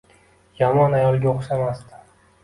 Yomon ayolga o`xshamasdi